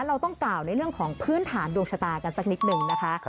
เราต้องกล่าวในเรื่องของพื้นฐานดวงชะตากันสักนิดนึงนะคะ